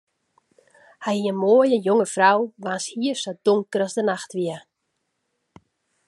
Hy hie in moaie, jonge frou waans hier sa donker as de nacht wie.